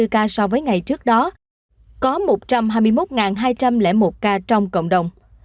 hai mươi ca so với ngày trước đó có một trăm hai mươi một hai trăm linh một ca trong cộng đồng